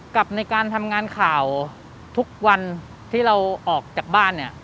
กับในการทำงานข่าวทุกวันที่เราออกจากบ้านเนี่ย